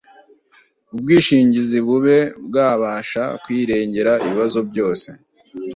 ubwishingizi bube bwabasha kwirengera ibibazo byose